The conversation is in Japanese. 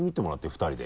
２人で。